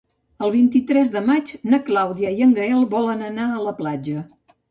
El vint-i-tres de maig na Clàudia i en Gaël volen anar a la platja.